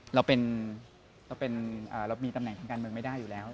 เรามีตำแหน่งทางการเมืองไม่ได้อยู่แล้ว